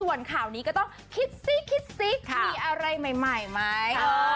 ส่วนข่าวนี้ก็ต้องคิดซิคิดซิค่ะมีอะไรใหม่ใหม่ไหมเออ